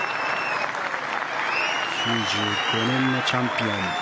９５年のチャンピオン。